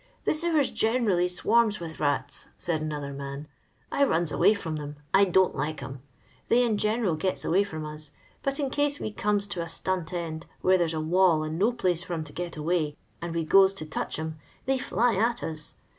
"The sewers generally swarms with mts," said another man. " I runs away from 'em ; I don't like 'em. They in genenl gets away from us ; but in case we comes to a stunt end where there 's a wall and no place for 'em to get away, and we goes to touch 'em, they fly at us.